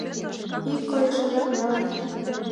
Ик койышыжак веле.